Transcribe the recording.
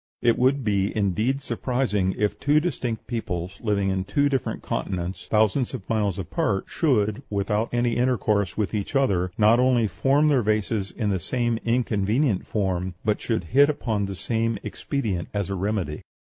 It would be indeed surprising if two distinct peoples, living in two different continents, thousands of miles apart, should, without any intercourse with each other, not only form their vases in the same inconvenient form, but should hit upon the same expedient as a remedy.